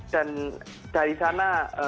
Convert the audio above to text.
dan dari sana